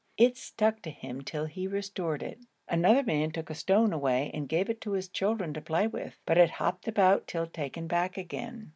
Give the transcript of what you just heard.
It stuck to him till he restored it. Another man took a stone away and gave it to his children to play with, but it hopped about till taken back again.